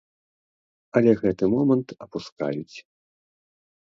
Але гэты момант апускаюць.